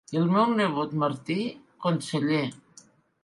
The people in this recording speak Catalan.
El meu nebot Martí, conseller.